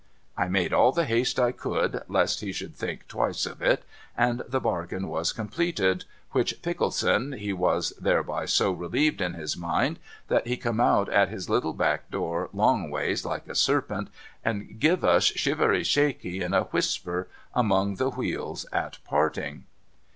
I made all the haste I could, lest he should think twice of it, and the bargain was completed, which Pickleson he was thereb)' so relieved in his mind that he come out at his little back door, longways like a serpent, and give us Shivery Shakey in a whisper among the wheels at parting.